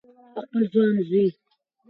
د خپل ځوان زوی